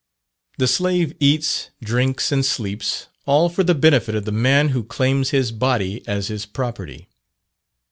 The slave eats, drinks, and sleeps all for the benefit of the man who claims his body as his property.